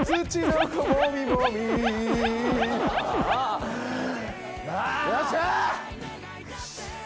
よっしゃ！